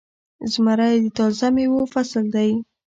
زمری د تازه میوو فصل دی.